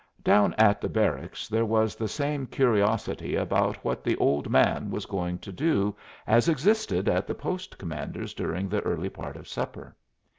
Down at the barracks there was the same curiosity about what the "Old Man" was going to do as existed at the post commander's during the early part of supper.